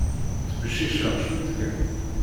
Ttbecciceɣ cwiṭ kan.